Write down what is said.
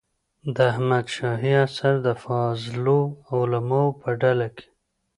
د احمد شاهي عصر د فاضلو علماوو په ډله کې.